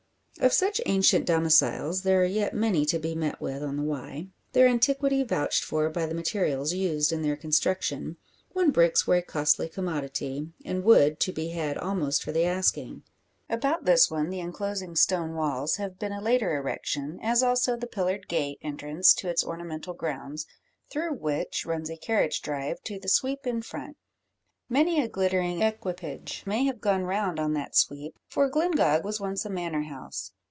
Of such ancient domiciles there are yet many to be met with on the Wye their antiquity vouched for by the materials used in their construction, when bricks were a costly commodity, and wood to be had almost for the asking. About this one, the enclosing stone walls have been a later erection, as also the pillared gate entrance to its ornamental grounds, through which runs a carriage drive to the sweep in front. Many a glittering equipage may have gone round on that sweep; for Glyngog was once a Manor house.